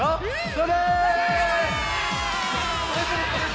それ！